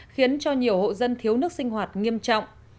khiến cho nhiều hộ dân thiếu nước sinh hoạt nghiêm trọng